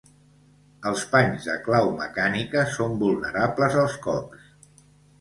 Els panys de clau mecànica són vulnerables als cops.